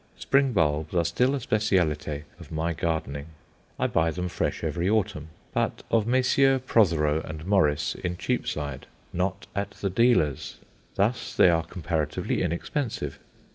Spring bulbs are still a spécialité of my gardening. I buy them fresh every autumn but of Messrs. Protheroe and Morris, in Cheapside; not at the dealers'. Thus they are comparatively inexpensive.